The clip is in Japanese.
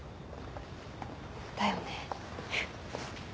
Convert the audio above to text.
だよね。